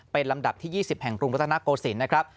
เป็นลำดับที่๒๐แห่งกรุงรัฐนาโกศิลป์นะครับ